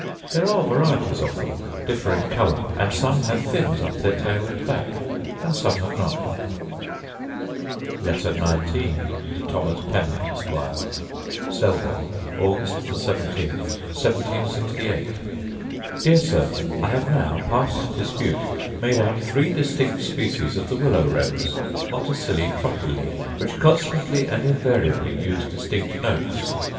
There are varieties of them, differing colour; and some have fins up their tail and back, and some have not. Letter XIX To Thomas Pennant, Esquire Selborne, Aug. 17, 1768. Dear Sir, I have now, past dispute, made out three distinct species of the willow wrens (motacillae trochili) which constantly and invariably use distinct notes.